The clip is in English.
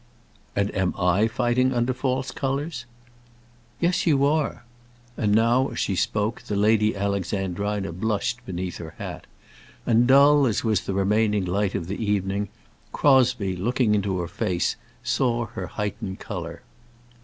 "And am I fighting under false colours?" "Yes, you are." And now, as she spoke, the Lady Alexandrina blushed beneath her hat; and dull as was the remaining light of the evening, Crosbie, looking into her face, saw her heightened colour.